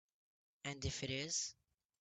And if it is?